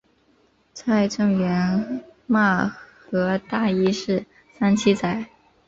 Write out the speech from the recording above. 蔡正元骂何大一是三七仔。